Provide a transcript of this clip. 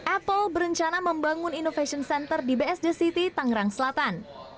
apple berencana membangun innovation center di bsd city tangerang selatan